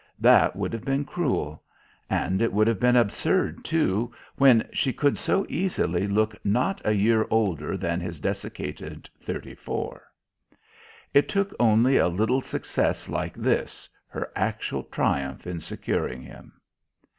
That would have been cruel. And it would have been absurd, too, when she could so easily look not a year older than his desiccated thirty four. It only took a little success like this, her actual triumph in securing him.